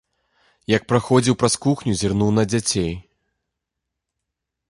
Як праходзіў праз кухню, зірнуў на дзяцей.